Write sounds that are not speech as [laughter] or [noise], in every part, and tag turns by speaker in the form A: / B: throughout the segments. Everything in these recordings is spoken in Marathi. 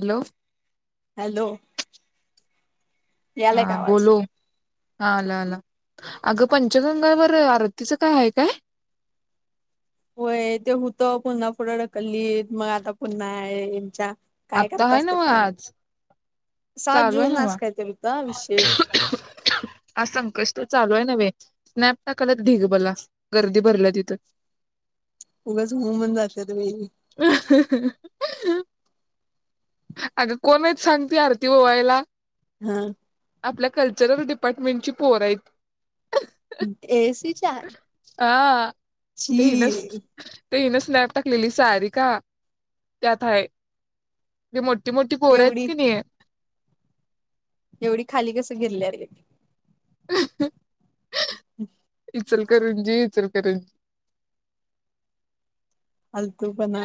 A: हॅलो
B: हॅलो यालाय का
A: हा
B: आवाज?
A: बोलो हा आला आला अगं पंचगंगावर आरतीचं काय हाय काय?
B: होय ते हुत पुन्हा पुढं ढक लित मग आता पुन्हाय. च्या
A: आत्ता हाय नव्ह आज.
B: सात
A: चालूय
B: जून
A: नव्ह
B: आज कायतरी होता विषय
A: आज संकष्ट चालूय नव्हे स्नॅप टाकायल्यात ढीग बला गर्दी भरल्या तिथं.
B: उगच हु म्हणून जात्यात बाई.
A: अ हु, हु, हु, अ अग कोणयत सांग ती आरती ओवाळायला?
B: हा
A: आपल्या कल्चर डिप पटमीची पोरयत.
B: एसी च्या
A: हा ते हिनच
B: छी.
A: ते हिनं स्नॅप टाकलेली सारीका त्यात हाय. [unintelligible] मोटी मोठी पोर आहेत
B: एवढी
A: की नाही
B: एवढी खाली कसं गेलेल्या हाय ग
A: इ चल. करंजी चलकरंजी
B: फालतुपना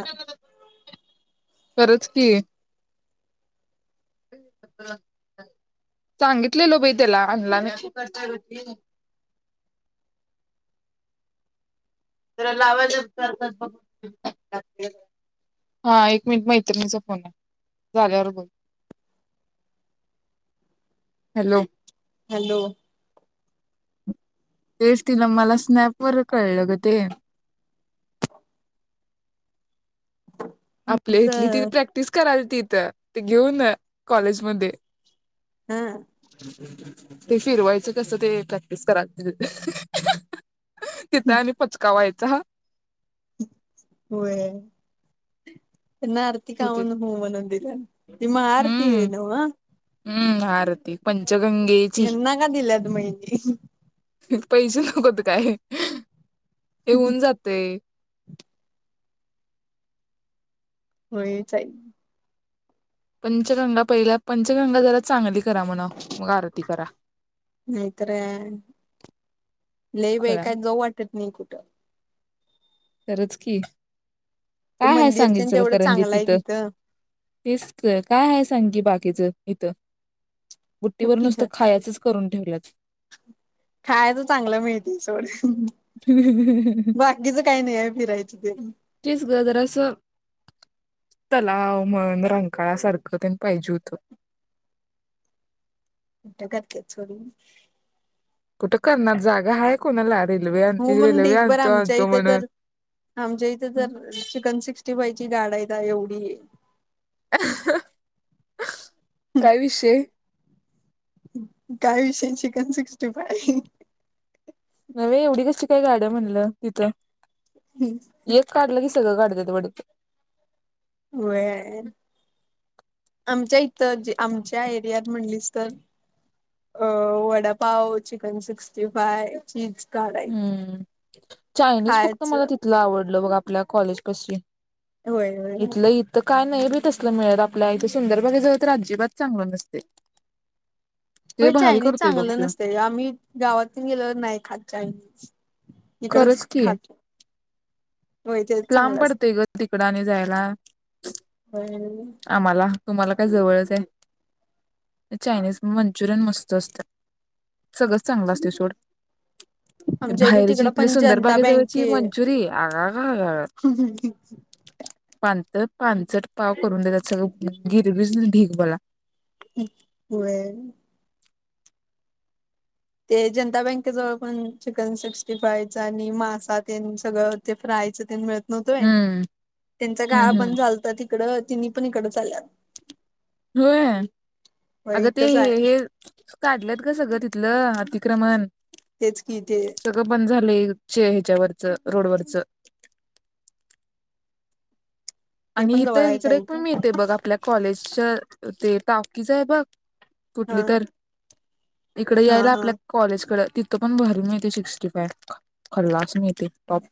A: खरंच की सांगितलेलो बाई त्याला आनला नाही लावाय उघ हा एक मिनिट मैत्रिणीचा फोन आहे झाल्यावर बोल हॅलो
B: हॅलो
A: तेच तिला मला स्नॅपवरर कळलं ग ते
B: ह
A: आपल्या इथली ति
B: तर
A: प्रॅक्टिस कराल तिथ ते घेऊन कॉलेजमध्येध्ये
B: हम
A: ते फिरवायचं कसं ते प्रॅक्टिस करा तिथं आणि पचकावायच अता
B: होय महाआरती आहे
A: होती हम्म
B: नव
A: हम्म महाआरती पंच
B: यांना का दिले त महिली
A: पैसे नकोत काय येऊन जाते
B: खुळीच आहेत
A: पंचगंगा पहिल्या पंचगंगा जरा चांगली करा म्हणा मग आरती करा
B: नाहीतर लई बा आहे
A: खुळ्या
B: काय गऊ वाटत नाही कुठ
A: खरंच की
B: ते
A: काय ह
B: मंदिर तेन
A: सांगितल
B: तेवढं
A: इचकरंजीत
B: चांगलं आहे
A: तिथं तेच काय आहे सांग की बाकीचं यथ
B: नक्कीच
A: ठेवल्यात
B: खाय तर चांगलं मिळतील सवढ बाकीच काही नाही आहे फिरायच ते
A: तेच ग जरास तलाव म्हण रांकाळ सारखं तेन पाहिजे होत.
B: [inaudible]
A: कुठं करणार जागा आहेय कोणालाच
B: हु म्हणूनढीग भर आमच्या इथे तर आमच्या इथे तर चिकन सिक्स्टी फाई गाडायता एवढी?
A: आह् हा काय विषय
B: काय विषय चिकन सिक्स्टी फाय
A: नवे एवढी कशी काय गाड्या म्हणलं? तिथं एक काढलं की सगळं गाडी [inaudible]
B: व्हय आमच्या इथ आमच्या एरियात म्हणलीस तर अ vada pav chicken sixty five cheese गाड आहेत
A: हम्म चायनीज फक्त मला
B: खायचं
A: तिथलं आवडलं बघा आपल्या कॉलेज पशी
B: व्हय, व्हय
A: नाही बी तसलं मिळत आपल्या इथे सुंदरबाग जवळ तर अजिबात चांगलं नसते ते भारी
B: चायनीज
A: करतोय बघ
B: चांगलं
A: त्यो
B: नसते आम्ही गावातून गेलोवर नाही खात चायनिज
A: खरंच की
B: होय ते
A: लांब
B: चांगलं असतं.
A: पडतंय ग तिकडं आणि जायला
B: होय
A: आम्हाला तुम्हाला काय जवळच आहे चायनीज मंचुरियन मस्त असतं सगळंच चांगलं असते सोड
B: आमच्या इथ तिकडं
A: तली
B: पण
A: सुंदर
B: जनता
A: बागे जवळची
B: बँके
A: मंचुरी आगा गगा आग
B: होय.
A: पान पानचट पाव करून देतात सगळं गिरबीज ढीक बला
B: व्हय ते जनता बँके जवळ पण चिकन सिक्स्टी फाइ आणि मासा ते सगळं ते फ्रायच ते मिळत नव्हतोय
A: हम्म
B: त्यांचा गाळा
A: हम्म हम्म
B: बंद झालत त इकडं तिन् पण इकडं चालल्यात
A: होय अगं ते
B: इथंच
A: हे
B: आहे
A: हे काढलेत ग सगळं तिथलं अतिक्रमण
B: तेच की ते
A: सगळं बंद ह्याच्यावरच रोडवरच
B: ते
A: आणि
B: पण जवळ
A: इथे
B: आहेच आहे
A: इकडे पण
B: इथं
A: मिळते बघ आपल्या कॉलेज अच्छा ते टाकीज ये बघ
B: हा
A: कुठली तर इकड
B: हा
A: यायला
B: हा.
A: आपल्या कॉलेजकडं तिथं पण भारी मिळतंय सिक्स्टी फाईव, खल्लास मिळतंय टॉप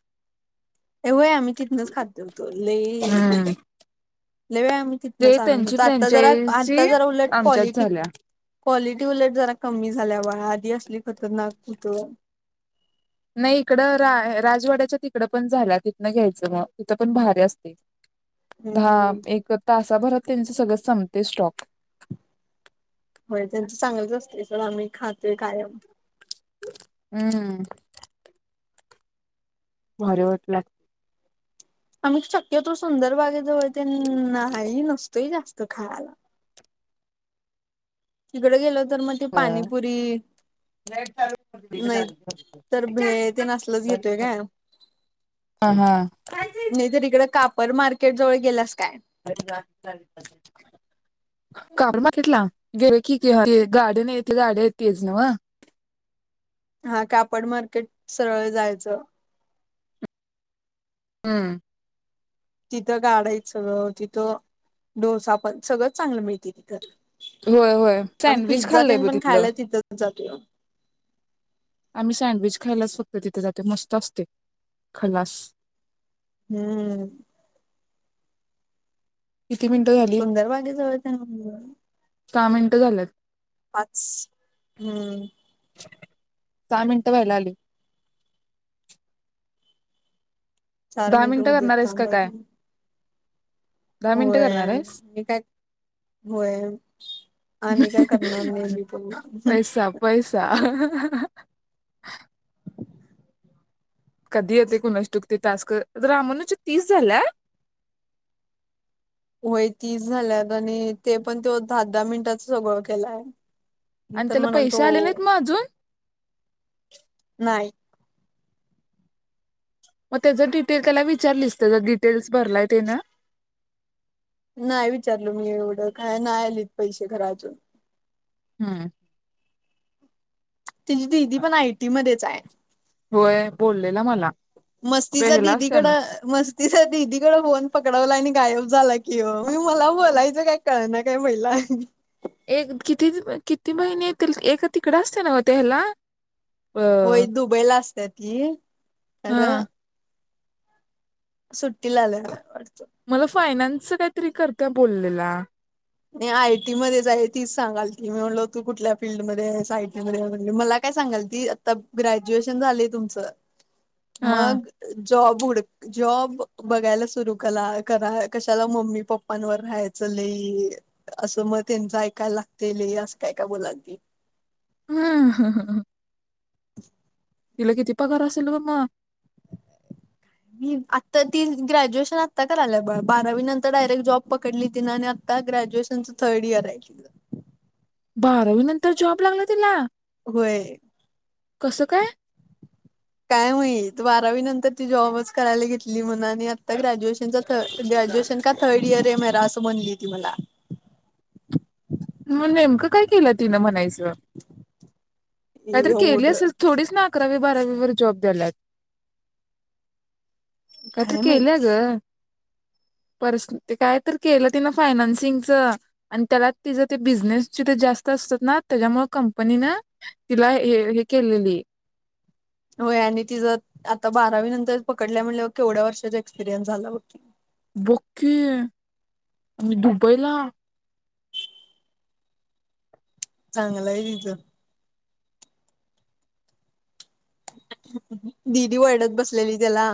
B: ये होय आम्ही तिथनच खात होतो. लई
A: हम्म.
B: लई वेळ आम्ही
A: ते
B: तिथनंच आणत
A: त्यांची
B: होतो, आता जरा आता
A: फ्रँचायझी
B: जरा उलट
A: आमच्यात
B: क्वालिटी,
A: झाल्या
B: क्वालिटी उलट जरा कमी झाल्या. होय आधी असली खतरनाक हुतो
A: नाही इकडं रा राजवाड्याच्या तिकडं पण झाल्या. तिथनं घ्यायचं मग तिथं पण भारी असतंय. धाम
B: हम्म
A: एक तास भरात त्यांच सगळं संपतंय स्टॉक.
B: होय त्यांच चांगलंच असतंय सोड आम्ही खातो कायम.
A: हम्म. भारी वाटलं.
B: आम्ही शक्यतो सुंदर बागेजवळ त्यांना हा ही नसतोय जास्त त खायला तिकड गेलोत नाही तर मग ते
A: लागतं.
B: पाणीपुरी, नाहीतर भेळ तेन असलंच घेतो काय
A: हा हा
B: नाहीतर इकड काप परत मार्केट जवळ गेलास काय?
A: [unintelligible] गेलो की ते गाडी नाही ते गाडी हाय तेच नव्हं?
B: हा कापड मार्केट सरळ जायच
A: हम्म.
B: तिथ गाडा हायीत सगळं, तिथ डोसा पण सगळंच चांगल मिळतंय तिथं.
A: होय, होय
B: आम्ही
A: सँडविच
B: पिझ्झा
A: खाल्लंय
B: तेन
A: बघ
B: पण
A: तिथलं.
B: खायला तिथंच जातोय
A: आम्ही सँडविच खायलाच फक्त तिथे जातोय मस्त असतंय. खलास
B: हम्म.
A: किती मिनिटं झाली?
B: सुंदर बागे जवळच्या तेन
A: सहा मिनिटं झाल्यात.
B: पाच, हम्म.
A: दहा मिनिटं व्हायला आलीत.
B: चार मिनिट होऊ देत
A: करणार आहेस का
B: थांबा
A: काय
B: अजुन.
A: दहा मिनिटं करणार
B: होय,
A: आहेस?
B: मी काय होय आणि काय करणार नई मी पुन्हा.
A: पैसा पैसा कधी येते कुणास ठाऊक ते टास्क रामणूच तीस झाल्यात?
B: होय तीस झाल्यात आणि ते पण त्यो दहा, दहा मिनिटाच सगळं केलाय. मी
A: आणि
B: तर
A: त्याला
B: म्हणाल तो
A: पैसे आले नाहीत मग अजून?
B: नाही
A: मग त्याच डिटेल त्याला विचारलीस त्याचा डिटेल्स भरलाय तेन?
B: नाही विचारलो मी एवढं काय नाही आलीत पैसे खर अजून.
A: हम्म.
B: तिजी दिदी पण आयटीमध्येच हाय.
A: होय बोललेला मला
B: मस्तीचा
A: ह्याला
B: दिदीकड
A: असताना
B: मस्तीचा दिदीकड फोन पकडवला आणि गायब झाला कि हो म मला बोलायचं काय कळ ना काय महिला
A: एक किती किती महिने येतील ए तिकड असते नाव त्या ह्याला
B: होय
A: अ
B: दुबईला असत्यात ये हॅलो..
A: हा
B: सुट्टी लाल्या
A: मला फायनान्स री करता बोललेला
B: आयटी मध्येच आहे. तीच सांगाल ती. मी म्हणल.. तू कुठल्या फीलल्डमध्ये आहेस. आयटी मध्ये म्हणली. मला काय सांगाल ती. आता ग्रॅज्युएशन झालय तुमच झालेय तुमच.
A: हा
B: मग जॉब उड जॉब बघायला सुरू कला करा. कशाला मम्मी पप्पांवर राहायचं लई. असं म. त्यांच येकायला लागतय लई. असं काय काय बोलायला ती.
A: ह्म्म ह्म्म ह्म्म
B: [inaudible]
A: हिला किती पगार असेल व माय?
B: आता ती ग्रॅज्युएशन आत्ता कराला बारावी नंतर डायरेक्ट जॉब पकडली. तिन आणि आता ग्रॅज्युएशनचं थर्ड इयर आहे तिकड.
A: बारावी नंतर जॉब लागला तिला?
B: होय
A: कसं काय?
B: काय माहीत? बारावी नंतर ती जॉबच करायला घेतली म्हण आता ग्रॅज्युएशन थ ग्रॅज्युएशन का थर्ड इयर मेरा असं म्हणली. ती मला
A: म नेमकं काय केलं तिनं म्हणायच? काहीतरी केल
B: एवढं
A: असेल थोडीच ना अकरावी बारावीवर जॉब द्यायलात. काहितरी
B: काय
A: केल
B: माहित
A: ग? ते काय तरी केलं तिन. फायनानसिंगच. अन त्याला तिचां ते बिझनेसची ते जास्त असतात ना त्याच्यामुळे कंपनीन तिला हे केलेली.
B: होय आणि तिज आता बारावी नंतर पकडल्या म्हणल्यावर केवढ्या वर्षाचा एक्स्पिरियन्स झाला बघ की?
A: बोकी आणि मी दुबईला?
B: चांगलय तीच.. दीदी वर्डत बसलेली त्याला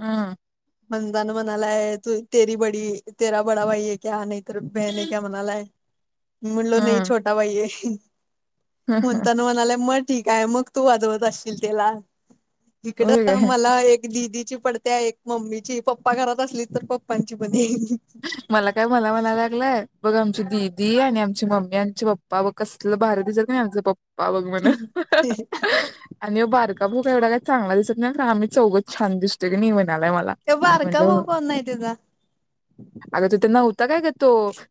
A: ह्म्म.
B: म्हणजान मनालाय तू तेरी बडी तेरा बडा भाई हे क्या? नाहीतर बेहेन क्या? मनालाय. म्हटलो नाही
A: हम्म
B: छोटा भाईये. होंतन म्हणाले मट ठीक आहे, मग तू वाजवत असशील त्याला.
A: होय
B: इकडं
A: काय
B: मला एक दीदी ची पडत्या एक मम्मीची, पप्पा घरात असलीच तर पप्पांची पण.
A: मला काय म्हला म्हणाला लागलाय, बघ आमची दिदी आणि आमची मम्मी आमचे पप्पा व कसलं बाहेर दिसत नाही आमचे पप्पा पा बघ म्हणा आणि बारका भोक एवढा काय चांगला दिसत नाही आम्ही चौगच छान दिस सगळे मी वन
B: ते बारका भाऊ कोण आहे त्याचा?
A: अगं तिथं नव्हता काय ग तो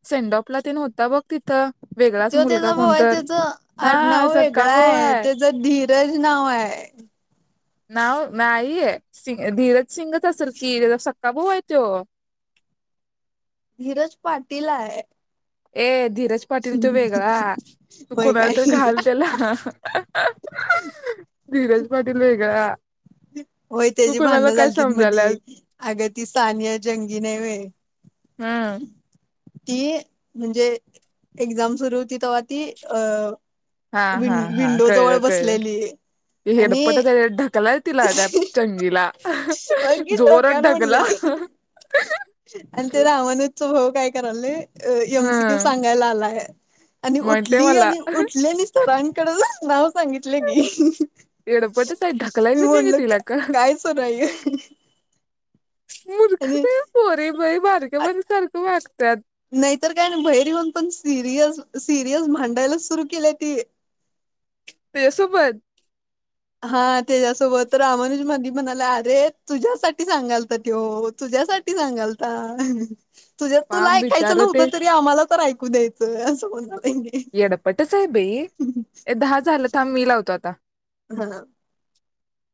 A: सेंडॉपला ते नव्हता बघ तिथं वेगळाच
B: तो त्याचा
A: मुलगा
B: भाऊ आहे
A: कोणतर
B: त्याचा
A: हा
B: आडनाव
A: सक्का
B: वेगळा
A: भाऊ
B: आहे त्याचा धी रज नाव आहे.
A: नाव नाही आहे सिंग धीरज सिंगच असेल कि सक्का भाऊ आहे त्यो.
B: धीरज पाटील आहे.
A: ए धीरज पाटील तो वेगळा तू
B: होय
A: कोणाला तर
B: काय
A: घाल त्याला. धीरज पाटील वेगळा.
B: होय
A: तू
B: त्याची
A: कोणाला
B: भांडणं
A: काय
B: झाली ती मधी
A: समजायलास
B: अग ती सानिया जंगी नाही व्हय
A: हां.
B: ती म्हणजे एक्झाम सुरू होती तेव्हा ती अ
A: हा हा
B: विं
A: हा
B: विंडो जवळ
A: कळलं-कळलं
B: बसलेली
A: ही
B: आणि
A: येडपटच आहे ढकलाय तिला दयाप चांगिला
B: होय की डोक्यावरपडलेली आणि ते रावण च भाऊ काय करायले? अ ए म सी क्यू
A: हम्म
B: सांगायला आलाय. आणि
A: म्हणते
B: उठली
A: मला
B: आणि उठलेलीच सरां कडच नांव सांगितले की
A: एडपटच आहे
B: मी
A: ढकलायचं नाही ग
B: म्हणलं
A: तिला का
B: काय सुरू आहे? आणि
A: मूर्खच आहे पोरी बई बारक्यापन सारखं वाग त्यात
B: नाहीतर काय ना बहिरी होऊन पण सिरियस सिरियस भांडायला सुरु केलंय ती.
A: त्याचा सोबत
B: हा त्याच्यासोबत रामानुज मधी म्हणाला अरे तुझ्यासाठी सांगालता त्यो तुझ्यासाठी सांगालता. तुझ्या तुला
A: पाप
B: ऐकायचं
A: बिचार ते
B: नव्हतं तरी आम्हाला तर ऐ कू द्यायंच अस बोलला.
A: येडपटच आहे बई. दहा झालं थांब मि लावतो आता.
B: हा.
A: [inaudible]